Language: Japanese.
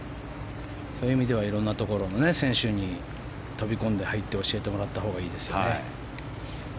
そういう意味ではいろんなところの選手に飛び込んで、入って教えてもらったほうがいいです。